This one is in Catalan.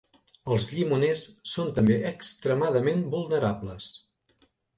Els llimoners són també extremadament vulnerables.